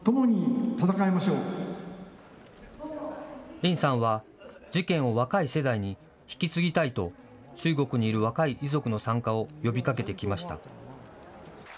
林さんは事件を若い世代に引き継ぎたいと中国にいる若い遺族の参加を呼びかけてきました。